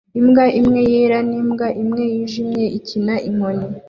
Imbwa imwe yera n'imbwa imwe yijimye ikina inkoni